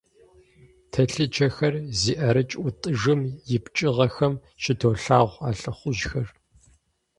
Телъыджэхэр зи ӀэрыкӀ ӀутӀыжым и пкӀыгъэхэм щыдолъагъу а лӀыхъужьхэр.